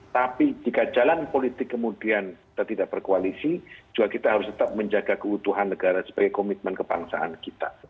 tapi jika jalan politik kemudian kita tidak berkoalisi juga kita harus tetap menjaga keutuhan negara sebagai komitmen kebangsaan kita